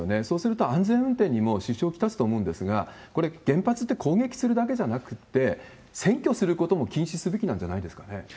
そうすると、安全運転にも支障を来すと思うんですが、これ、原発って攻撃するだけじゃなくて、占拠することも禁止すべきなんじゃないですかね